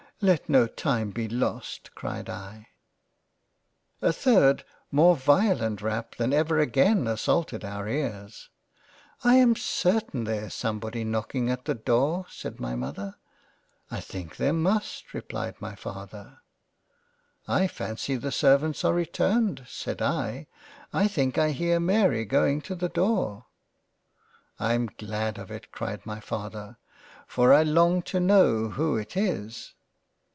let no time be lost " (cried I.) 8 )t ! J LOVE AND FREINDSHIP ^ A third more violent Rap than ever again assaulted our ears. " I am certain there is somebody knocking at the Door." (said my Mother.) " I think there must," (replied my Father) " I fancy the servants are returned ; (said I) I think I hear Mary going to the Door." '* I'm glad of it (cried my Father) for I long to know who it is."